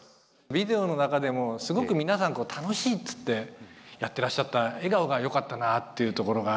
ビデオの中でもすごく皆さんこう「楽しい」っつってやってらっしゃった笑顔がよかったなっていうところがありまして。